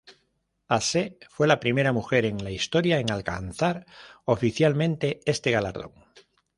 Ashe fue la primera mujer en la historia en alcanzar oficialmente este galardón.